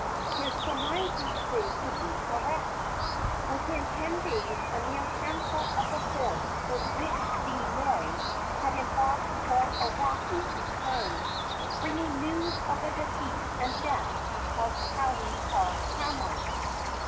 His surmises proved to be correct. Within ten days a mere handful of the force with which the moi had embarked for Oahu returned, bringing news of the defeat and death of Kauhiakama.